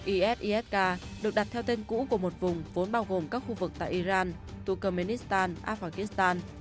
is isk được đặt theo tên cũ của một vùng vốn bao gồm các khu vực tại iran turkmenistan afghanistan